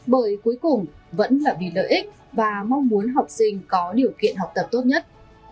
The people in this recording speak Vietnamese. bởi cuối cùng vẫn là vì lợi ích và mong muốn học sinh có điều kiện học tập tốt nhất